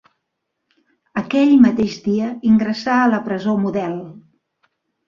Aquell mateix dia ingressà a la presó Model.